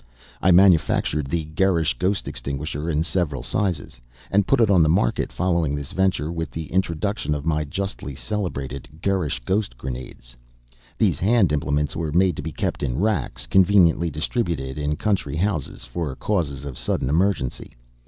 I manufactured the Gerrish Ghost Extinguisher in several sizes, and put it on the market, following this venture with the introduction of my justly celebrated Gerrish Ghost Grenades. These hand implements were made to be kept in racks conveniently distributed in country houses for cases of sudden emergency.